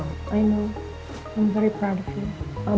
aku tahu aku sangat bangga denganmu